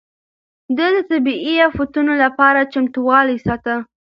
ده د طبيعي افتونو لپاره چمتووالی ساته.